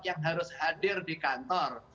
yang harus hadir di kantor